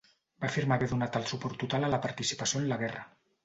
Va afirmar haver donat el seu suport total a la participació en la guerra.